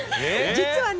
実はね